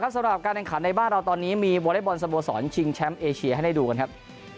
สำหรับการแข่งขันในบ้านเราตอนนี้มีวอเล็กบอลสโมสรชิงแชมป์เอเชียให้ได้ดูกันครับ